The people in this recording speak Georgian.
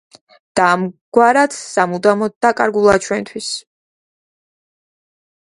და ამგვარად, სამუდამოდ დაკარგულა ჩვენთვის.